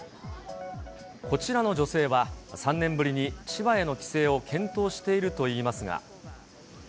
こちらの女性は、３年ぶりに千葉への帰省を検討しているといいますが。